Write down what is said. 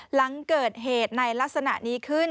หลังเกิดเหตุในลักษณะนี้ขึ้น